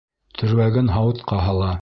Төргәген һауытҡа һала.